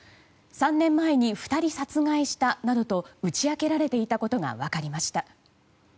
３年前に２人殺害したなどと打ち明けられていたことが分かりました。